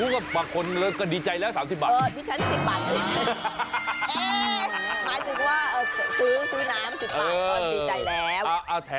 ๓๐ล้านบาท